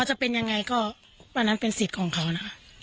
อันนั้นเป็นศิษย์ของเธอนะค่ะ